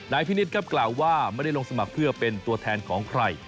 พินิษฐ์ครับกล่าวว่าไม่ได้ลงสมัครเพื่อเป็นตัวแทนของใคร